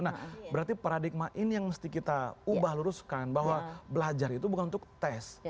nah berarti paradigma ini yang mesti kita ubah luruskan bahwa belajar itu bukan untuk tes